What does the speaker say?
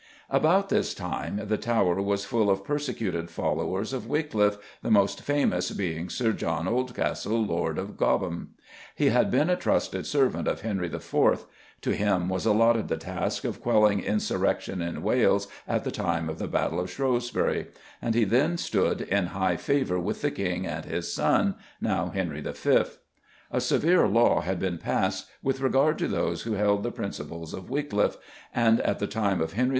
About this time the Tower was full of persecuted followers of Wycliffe, the most famous being Sir John Oldcastle, Lord Cobham. He had been a trusted servant of Henry IV.; to him was allotted the task of quelling insurrection in Wales at the time of the battle of Shrewsbury, and he then stood in high favour with the King and his son, now Henry V. A severe law had been passed with regard to those who held the principles of Wycliffe, and at the time of Henry V.